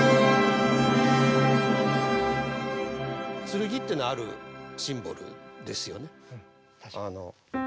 剣っていうのはあるシンボルですよね。